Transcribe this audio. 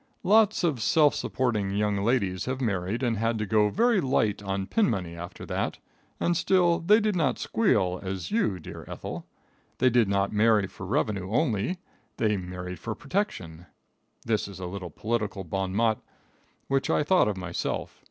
Lots of self supporting young ladies have married and had to go very light on pin money after that, and still they did not squeal, as you, dear Ethel. They did not marry for revenue only. They married for protection. (This is a little political bon mot which I thought of myself.